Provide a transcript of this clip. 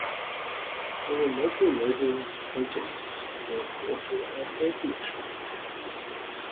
There were local residents' protests against water and air pollution.